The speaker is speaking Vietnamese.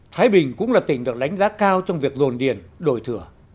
thái bình cũng là tỉnh được đánh giá cao trong việc dồn điền đổi thửa